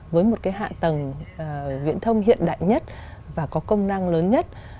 với một cái hạ tầng viễn thông hiện đại nhất và có công năng lớn nhất